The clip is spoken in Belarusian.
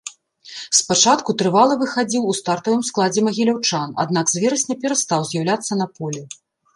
Спачатку трывала выхадзіў у стартавым складзе магіляўчан, аднак з верасня перастаў з'яўляцца на полі.